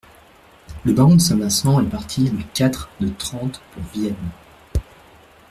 Le baron de Saint-Vincent est parti le quatre de Trente pour Vienne.